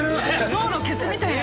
象のケツみたいな。